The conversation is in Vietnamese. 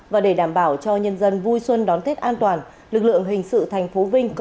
và để đảm bảo cho nhân dân vui xuân đón tết an toàn lực lượng hình sự tp vinh